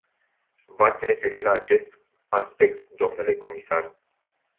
V-ați referit la acest aspect, dle comisar.